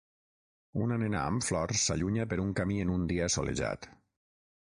Una nena amb flors s'allunya per un camí en un dia solejat.